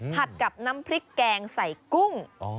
กับน้ำพริกแกงใส่กุ้ง